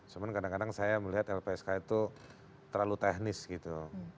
cuman kadang kadang saya melihat lpsk itu terlalu teknis gitu